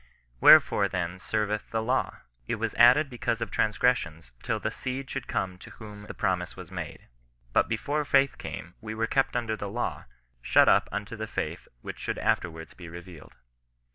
Where fore then serveth the law? It was added because of transgressions till the seed should come to whom the promise was made." " But before faith came we were kept under the law, shut up unto the faith which should afterwards be revealed.